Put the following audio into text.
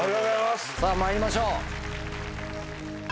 さぁまいりましょう。